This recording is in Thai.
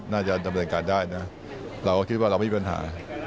น่าจะทำบรรยากาศได้นะเราก็คิดว่าเรามีปัญหา